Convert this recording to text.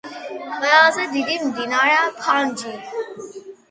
ყველაზე დიდი მდინარეა ფანჯი.